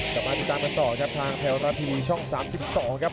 กลับมาติดตามกันต่อครับทางแพลวราภีช่อง๓๒ครับ